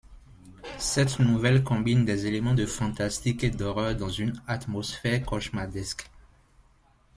Cette nouvelle combine des éléments de fantastique et d’horreur dans une atmosphère cauchemardesque.